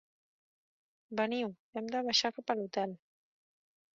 Veniu, hem de baixar cap a l'Hotel